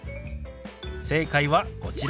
正解はこちら。